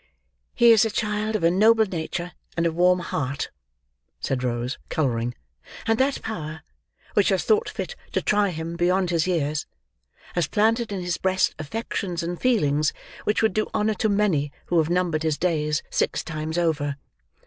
"He is a child of a noble nature and a warm heart," said Rose, colouring; "and that Power which has thought fit to try him beyond his years, has planted in his breast affections and feelings which would do honour to many who have numbered his days six times over."